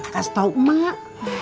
kas tau mak